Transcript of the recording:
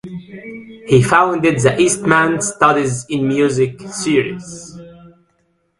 He founded the "Eastman Studies in Music" series.